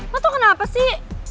lo tuh kenapa sih